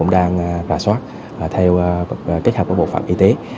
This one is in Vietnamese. đang rà soát theo kết hợp của bộ phận y tế